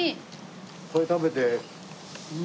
これ食べて今度。